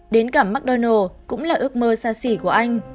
đến gặp mcdonald s cũng là ước mơ xa xỉ của anh